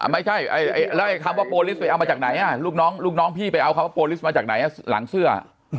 ไม่ใช่แล้วไอ้คำว่าโปรลิสไปเอามาจากไหนลูกน้องลูกน้องพี่ไปเอาคำว่าโปรลิสมาจากไหนหลังเสื้อ